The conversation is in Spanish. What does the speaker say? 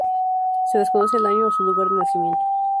Se desconoce el año o su lugar de nacimiento.